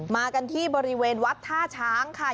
มากันที่บริเวณวัดท่าช้างค่ะ